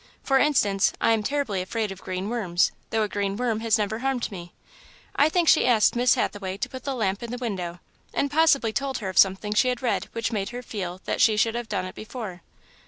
For instance, I am terribly afraid of green worms, though a green worm has never harmed me. I think she asked Miss Hathaway to put the lamp in the window, and possibly told her of something she had read which made her feel that she should have done it before."